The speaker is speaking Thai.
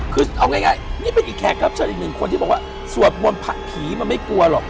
คือเอาง่ายนี่เป็นอีกแขกรับเชิญอีกหนึ่งคนที่บอกว่าสวดมนต์ผีมันไม่กลัวหรอก